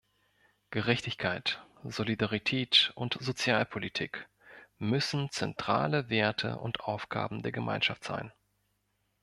Gerechtigkeit, Solidarität und Sozialpolitik müssen zentrale Werte und Aufgaben der Gemeinschaft sein.